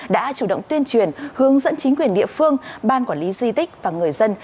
đã chủ động tuyên truyền hướng dẫn chính quyền địa phương ban quản lý di tích và người dân